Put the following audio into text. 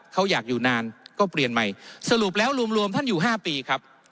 เขาอยากอยู่นานก็เปลี่ยนใหม่สรุปแล้วรวมรวมท่านอยู่๕ปีครับ